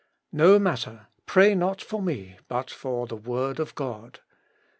No matter, pray not for me, but for the Word of God.